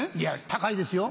高いですよ。